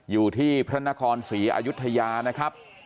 อยู่ที่พระนครศรีอายุทยานะครับ